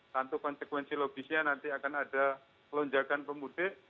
satu konsekuensi logisnya nanti akan ada lonjakan pemudik